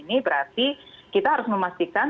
ini berarti kita harus memastikan